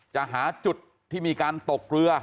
จะหาจุดที่มีการตกเรือ